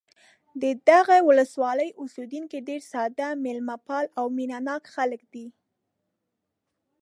د دغه ولسوالۍ اوسېدونکي ډېر ساده، مېلمه پال او مینه ناک خلک دي.